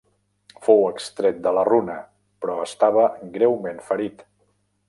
Fou extret de la runa, però estava greument ferit.